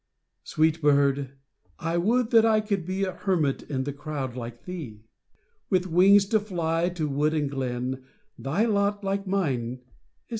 a (89) Sweet bird ! I would that I could be A hermit in the crowd like thee ! With wings to fly to wood and glen, Thy lot, like mine, is